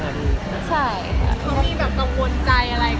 เขามีตัววนใจอะไรก่อน